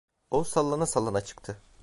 O, sallana sallana çıktı.